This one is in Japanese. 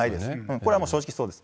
これは正直そうです。